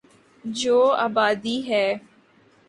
جو آبادی ہے۔